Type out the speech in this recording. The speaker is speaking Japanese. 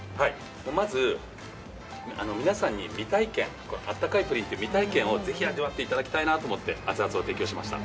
まず、皆さんに未体験、あったかいプリンという未体験をぜひ味わっていただきたいなと思って熱々を提供しました。